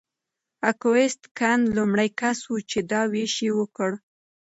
اګوست کنت لومړی کس و چې دا ویش یې وکړ.